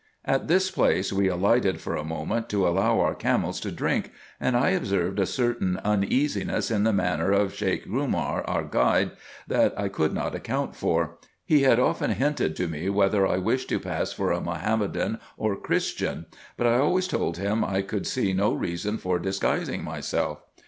At this place we alighted for a moment, to allow our camels to drink ; and I observed a certain uneasiness in the manner of Sheik Grumar, our guide, that I could not account for. He had often hinted to me whether I wished to pass for a Mahomedan or Christian, but I always told him I could see no reason for disguising myself.